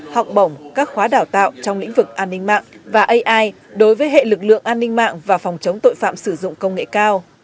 học bổng các khóa đào tạo trong lĩnh vực an ninh mạng và ai đối với hệ lực lượng an ninh mạng và phòng chống tội phạm sử dụng công nghệ cao